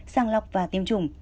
sang lọc và tiêm chủng